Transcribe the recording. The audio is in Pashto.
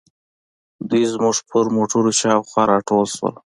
دوی زموږ پر موټرو شاوخوا راټول شول.